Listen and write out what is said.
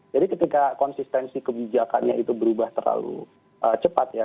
jadi ketika konsistensi kebijakannya itu berubah terlalu cepat ya